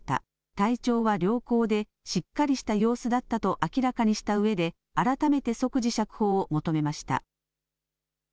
体調は良好でしっかりした様子だったと明らかにしたうえで改めて即時釈放を求めました。